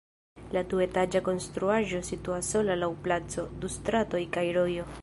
La duetaĝa konstruaĵo situas sola laŭ placo, du stratoj kaj rojo.